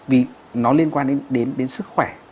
vì nó liên quan đến sức khỏe